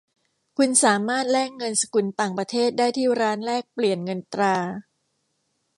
คุณสามารถแลกเงินสกุลต่างประเทศได้ที่ร้านแลกเปลี่ยนเงินตรา